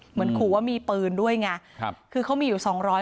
เหมือนขู่ว่ามีปืนด้วยไงครับคือเขามีอยู่สองร้อย